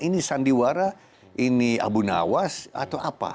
ini sandiwara ini abu nawas atau apa